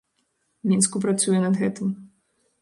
Мінску працуе над гэтым.